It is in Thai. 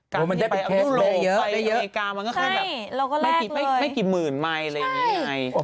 การที่ไปอังกฤษลงโลกไปอังกฤษการมันก็ค่อยแบบไม่กี่หมื่นไมค์อะไรอย่างนี้ไงใช่